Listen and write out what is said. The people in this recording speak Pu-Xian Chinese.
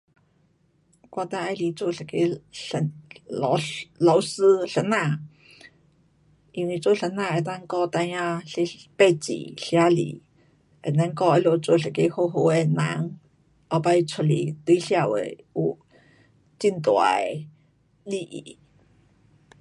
我最喜欢做一个先，老，老师，先生。因为做先生能够教孩儿识字，写字，and then 给他们做一个好好的人。后次出来对社会有很大的利益。